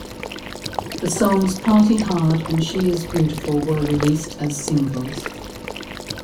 The songs "Party Hard" and "She Is Beautiful" were released as singles.